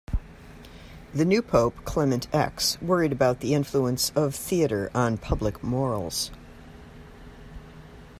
The new pope Clement X worried about the influence of theatre on public morals.